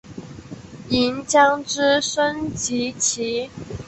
银将之升级棋。